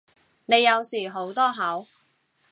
你有時好多口